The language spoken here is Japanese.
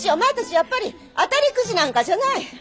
やっぱり当たりくじなんかじゃない！